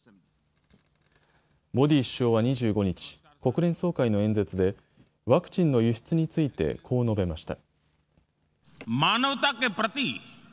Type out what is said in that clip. モディ首相は２５日、国連総会の演説でワクチンの輸出についてこう述べました。